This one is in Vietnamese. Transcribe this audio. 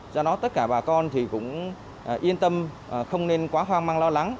do đó tất cả bà con thì cũng yên tâm không nên quá hoang mang lo lắng